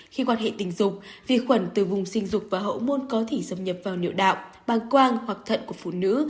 khi quan hệ tình dục vi khuẩn từ vùng sinh dục và hậu môn có thể xâm nhập vào nhựa đạo bàng quang hoặc thận của phụ nữ